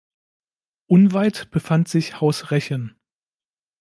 Unweit befand sich Haus Rechen.